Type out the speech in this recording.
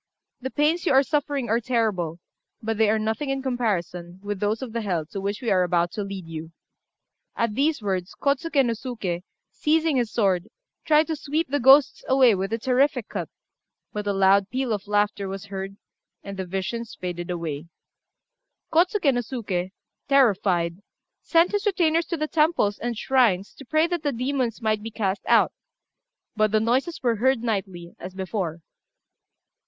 The pains you are suffering are terrible, but they are nothing in comparison with those of the hell to which we are about to lead you." At these words, Kôtsuké no Suké, seizing his sword, tried to sweep the ghosts away with a terrific cut; but a loud peal of laughter was heard, and the visions faded away. Kôtsuké no Suké, terrified, sent his retainers to the temples and shrines to pray that the demons might be cast out; but the noises were heard nightly, as before.